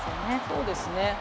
そうですね。